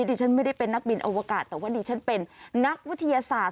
ดิฉันไม่ได้เป็นนักบินอวกาศแต่ว่าดิฉันเป็นนักวิทยาศาสตร์